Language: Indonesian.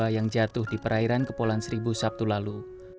yang jatuh di perairan kepulauan seribu sabtu lalu